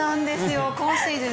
今シーズン